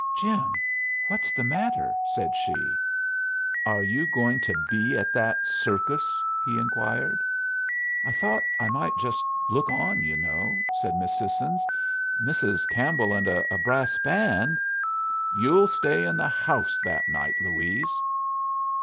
"Jim, what's the matter?" said she. "Are you going to be at that circus?" he inquired. "I thought I might just look on, you know," said Miss Sissons. "Mrs. Campbell and a brass band " "You'll stay in the house that night, Louise."